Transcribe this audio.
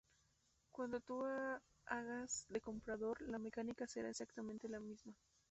Cuando tú hagas de comprador, la mecánica será exactamente la misma.